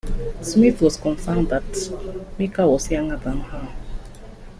Smith was concerned that Meeker was younger than her.